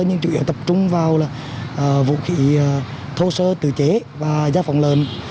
nhưng chủ yếu tập trung vào vũ khí thô sơ tự chế và gia phòng lợn